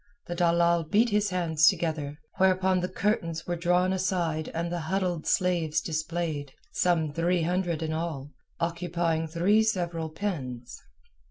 The dalal beat his hands together, whereupon the curtains were drawn aside and the huddled slaves displayed—some three hundred in all, occupying three several pens.